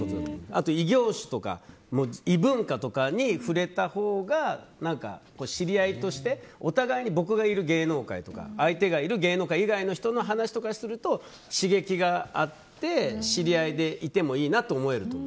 あと、異業種とか異文化とかに触れたほうが知り合いとしてお互いに、僕がいる芸能界とか相手がいる芸能界以外の人の話とかすると刺激があって知り合いでいてもいいなと思える。